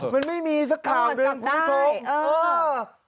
มันไม่มีสักข่าวหนึ่งพูดถูก